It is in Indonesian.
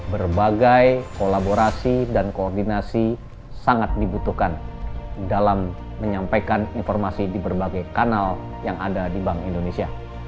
berbagai kolaborasi dan koordinasi sangat dibutuhkan dalam menyampaikan informasi di berbagai kanal yang ada di bank indonesia